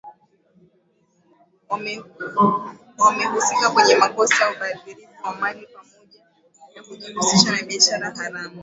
wamehusika kwenye makosa ubadhirifu wa mali pamoja na kujihusisha na biashara haramu